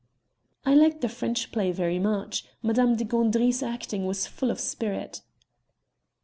"I liked the French play very much. Madame de Gandry's acting was full of spirit."